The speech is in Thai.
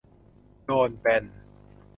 โดนแบน